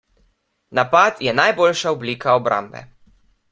Napad je najboljša oblika obrambe.